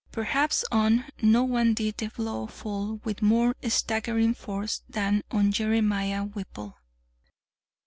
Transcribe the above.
Perhaps on no one did the blow fall with more staggering force than on Jeremiah Whipple.